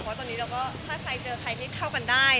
เพราะตอนนี้ต้องการเจอใครที่เท่ากันได้